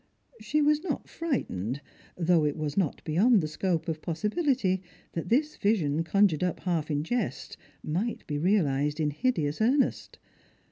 She was not frightened, though it was not beyond the scope of possibility that this vision, conjured up half in jest, might be realised in hideous earnest.